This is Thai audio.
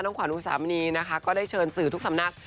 ขวานอุสามณีนะคะก็ได้เชิญสื่อทุกสำนัก